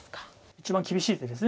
一番厳しい手です。